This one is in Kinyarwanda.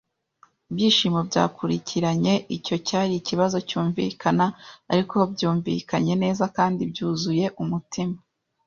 Ibyishimo byakurikiranye - icyo cyari ikibazo cyumvikana; ariko byumvikanye neza kandi byuzuye umutima